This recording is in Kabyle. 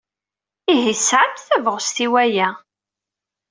Ihi tesɛamt tabɣest i waya?